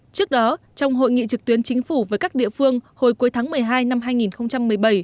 trước đó trong hội nghị trực tuyến chính phủ với các địa phương hồi cuối tháng một mươi hai năm hai nghìn một mươi bảy